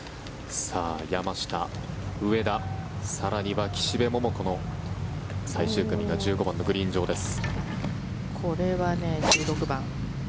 山下、上田、更には岸部桃子の最終組が１５番のグリーン上です。